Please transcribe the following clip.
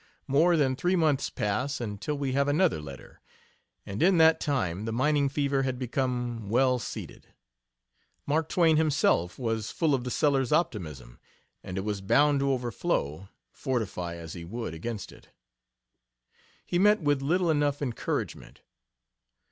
More than three months pass until we have another letter, and in that time the mining fever had become well seated. Mark Twain himself was full of the Sellers optimism, and it was bound to overflow, fortify as he would against it. He met with little enough encouragement.